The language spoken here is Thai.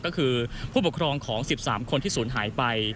ก็คือผู้ปกครองของ๑๓คนที่ศูนย์หายไป